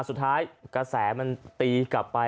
สุดท้ายกระแสมันตีกลับไป